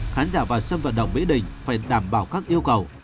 khán giả vào sân vận động mỹ đình phải đảm bảo các yêu cầu